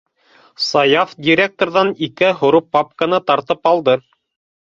- Саяф директорҙан ике һоро папканы тартып алды.